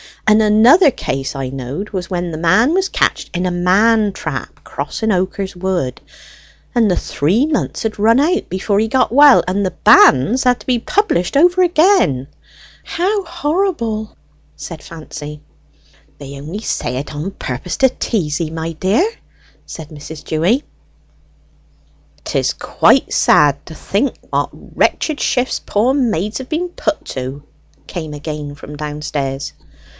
And another case I knowed was when the man was catched in a man trap crossing Oaker's Wood, and the three months had run out before he got well, and the banns had to be published over again." "How horrible!" said Fancy. "They only say it on purpose to tease 'ee, my dear," said Mrs. Dewy. "'Tis quite sad to think what wretched shifts poor maids have been put to," came again from downstairs.